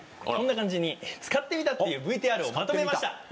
こんな感じに使ってみたっていうＶＴＲをまとめました。